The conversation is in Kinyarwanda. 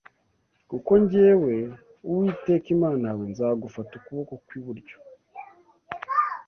Kuko jyewe Uwiteka Imana yawe nzagufata ukuboko kw’iburyo